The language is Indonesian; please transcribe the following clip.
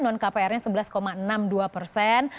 non kprnya sebelas enam puluh dua persen